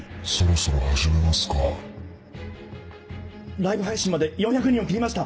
ライブ配信まで４００人を切りました！